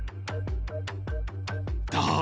どう？